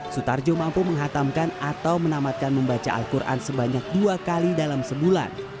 sutarjo mampu menghatamkan atau menamatkan membaca al quran sebanyak dua kali dalam sebulan